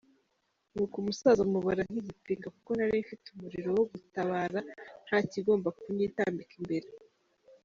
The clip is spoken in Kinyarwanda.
Nuko umusaza mubara nk’igipinga kuko nari mfite umuriro wo gutabara ntakigomba kunyitambika imbere.